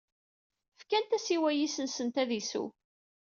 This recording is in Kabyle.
Fkant-as i wayis-nsent ad isew.